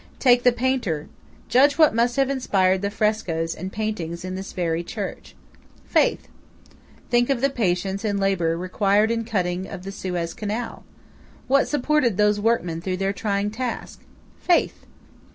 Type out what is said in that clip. Take the painter–judge what must have inspired the frescoes and paintings in this very church:–Faith. Think of the patience and labour required in the cutting of the Suez canal! What supported those workmen through their trying task? Faith.